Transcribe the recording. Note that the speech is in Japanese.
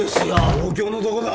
東京のどこだ！